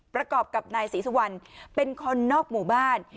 ประกอบกับนายศรีสุวรรณเป็นคนนอกหมู่บ้าน